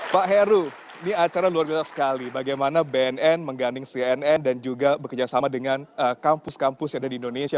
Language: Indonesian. pak heru ini acara luar biasa sekali bagaimana bnn mengganding cnn dan juga bekerjasama dengan kampus kampus yang ada di indonesia